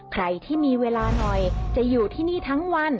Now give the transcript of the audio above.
ใครที่มีเวลาหน่อยจะอยู่ที่นี่ทั้งวัน